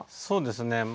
そうですね